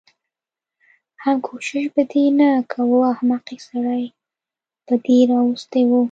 حم کوشش به دې نه کوه احمقې سړی به دې راوستی و.